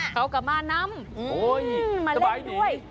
เขาก็มานำมาเล่นด้วย